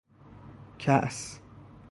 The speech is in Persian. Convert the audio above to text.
کأس